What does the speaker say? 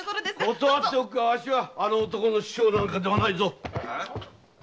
断っておくがわしはあの男の師匠なんかではないぞ。